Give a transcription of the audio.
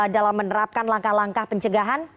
dalam menerapkan langkah langkah pencegahan